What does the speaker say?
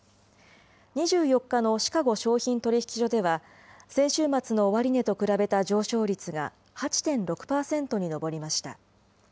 ２４日のシカゴ商品取引所では、先週末の終値と比べた上昇率が８．６％に上りました。